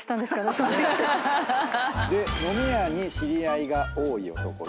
で飲み屋に知り合いが多い男許せる。